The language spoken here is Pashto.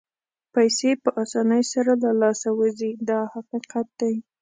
پیسې په اسانۍ سره له لاسه وځي دا حقیقت دی.